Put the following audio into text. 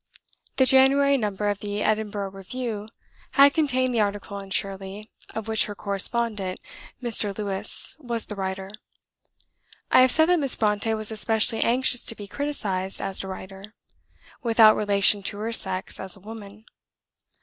The January number of the Edinburgh Review had contained the article on Shirley, of which her correspondent, Mr. Lewes, was the writer. I have said that Miss Brontë was especially anxious to be criticised as a writer, without relation to her sex as a woman.